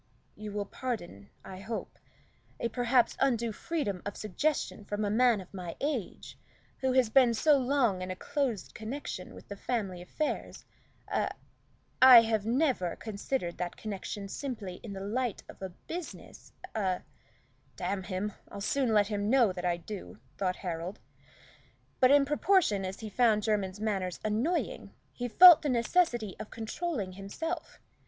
"You will pardon, I hope, a perhaps undue freedom of suggestion from a man of my age, who has been so long in a close connection with the family affairs a I have never considered that connection simply in a light of business a " "Damn him, I'll soon let him know that I do," thought Harold. But in proportion as he found Jermyn's manners annoying, he felt the necessity of controlling himself.